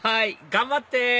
頑張って！